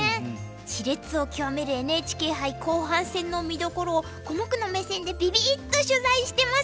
しれつを極めるＮＨＫ杯後半戦の見どころをコモクの目線でビビッと取材してます。